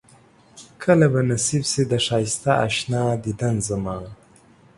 کله به نصيب شي د ښائسته اشنا ديدن زما